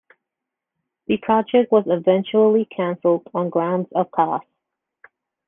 The project was eventually cancelled on grounds of cost.